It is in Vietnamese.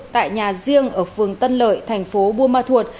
tại nhà riêng ở phường tân lợi thành phố buôn ma thuột